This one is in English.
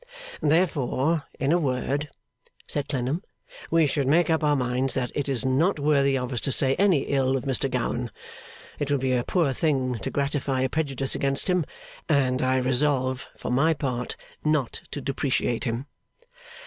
'Therefore, in a word,' said Clennam, 'we should make up our minds that it is not worthy of us to say any ill of Mr Gowan. It would be a poor thing to gratify a prejudice against him. And I resolve, for my part, not to depreciate him.